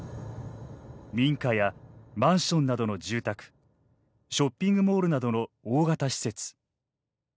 民家やマンションなどの住宅ショッピングモールなどの大型施設。